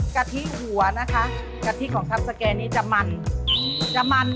กะตี้จะเป็นกะตี้หัวจะมัน